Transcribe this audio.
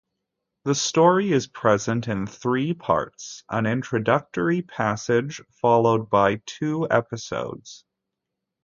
The story is present in three parts, an introductory passage, followed by two episodes.